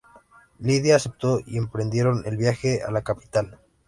Lydia aceptó y emprendieron el viaje a la capital.